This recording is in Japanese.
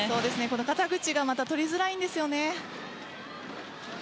肩口が取りづらいんですよね。